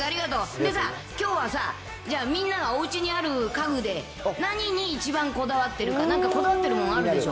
でさ、きょうはさ、じゃあ、みんながおうちにある家具で、何に一番こだわってるか、なんかこだわってるものあるでしょ。